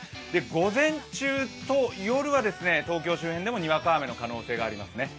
午前中と夜は東京周辺でもにわか雨が降る可能性もあります。